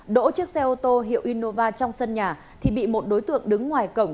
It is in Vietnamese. đỗ chiếc xe ô tô hiệu innova trong sân nhà thì bị một đối tượng đứng ngoài cổng